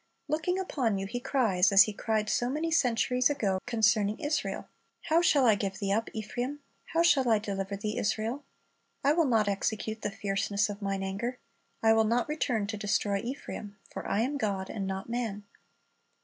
Looking upon you He cries, as He cried so many centuries ago concerning Israel, "How shall I give thee up, Ephraim? How shall I deliver thee, Israel? ... I will not execute the fierceness of Mine anger. I will not return to destroy Ephraim; for I am God, and not man."